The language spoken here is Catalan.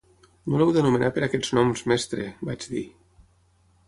"No l'heu d'anomenar per aquests noms, mestre", vaig dir.